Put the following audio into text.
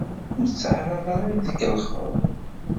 Ur ttɛaraḍ ara ad yi-tkellxeḍ!